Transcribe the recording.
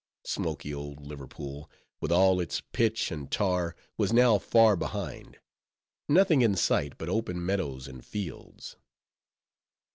Smoky old Liverpool, with all its pitch and tar was now far behind; nothing in sight but open meadows and fields.